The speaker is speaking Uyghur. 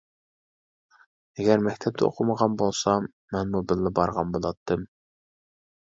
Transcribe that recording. ئەگەر مەكتەپتە ئوقۇمىغان بولسام مەنمۇ بىللە بارغان بولاتتىم.